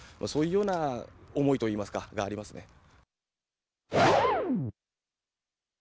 そういうような思いといいますか、がありますね。